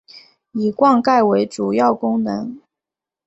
以灌溉为主要功能。